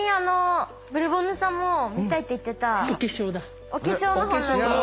ブルボンヌさんも見たいって言ってたお化粧の本なんですよ。